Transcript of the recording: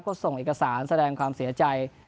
ก็ส่งเอกสารแสดงความเสียใจ